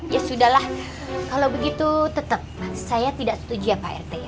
ya sudah lah kalo begitu tetep saya tidak setuju ya pak rete ya